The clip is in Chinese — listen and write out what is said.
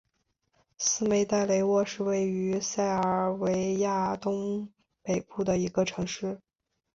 斯梅代雷沃是位于塞尔维亚东北部的一个城市。